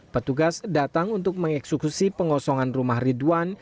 petugas datang untuk mengeksekusi pengosongan rumah ridwan